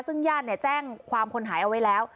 ซึ่งญาติแจ้งความคนหายเอาไว้แล้ว